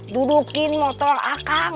dudukin motor akang